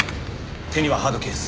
手にはハードケース。